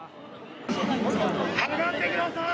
下がってください！